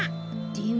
でも。